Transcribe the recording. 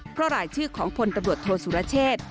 เพราะรายชื่อของพลตำรวจโทษสุรเชษ